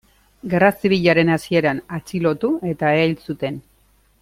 Gerra Zibilaren hasieran atxilotu eta erail zuten.